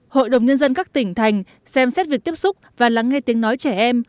hội đồng nhân dân các tỉnh thành xem xét việc tiếp xúc và lắng nghe tiếng nói trẻ em